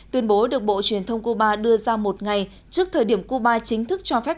tuyên bố được bộ truyền thông cuba đưa ra một ngày trước thời điểm cuba chính thức cho phép